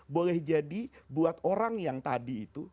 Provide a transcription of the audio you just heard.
boleh jadi buat orang yang tadi itu